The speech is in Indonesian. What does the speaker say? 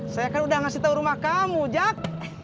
saya kan udah ngasih tau rumah kamu jack